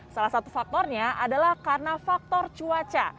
salah satu faktornya adalah karena faktor cuaca